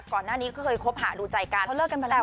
ก่อนหน้านี้เคยคบหาดูใจกันเพราะเลิกกันไปแล้วนี้